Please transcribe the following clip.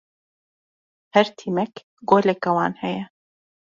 Her tîmek goleka wan heye.